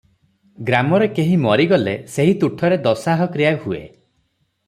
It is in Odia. ଗ୍ରାମରେ କେହି ମରିଗଲେ ସେହି ତୁଠରେ ଦଶାହକ୍ରିୟା ହୁଏ ।